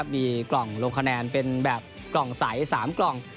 มีกล่องลงคะแนนเป็นแบบกล่องใส๓กล่อง